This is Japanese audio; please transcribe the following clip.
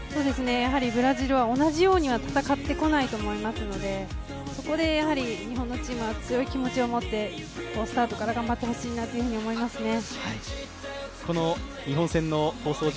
ブラジルは同じようには戦ってこないと思いますので、そこで日本のチームは強い気持ちを持ってスタートから頑張ってほしいなと思いますね。